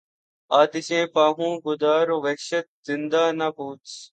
آتشیں پا ہوں گداز وحشت زنداں نہ پوچھ